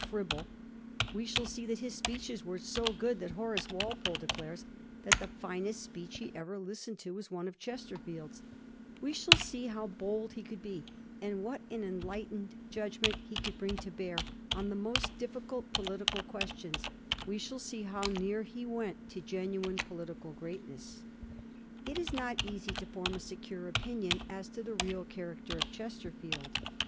5 fribble; we shall see that his speeches were so gopd that Horace Walpole declares that the finest speech he ever listened to was one of Chesterfield's ; we shall see how bold he could be, and what an enlightened judgment he could bring to bear on the most difficult political ques tions; we shall see how near he went to genuine political greatness. It is not easy to form a secure opinion as to the real character of Chesterfield.